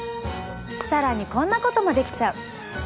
更にこんなこともできちゃう。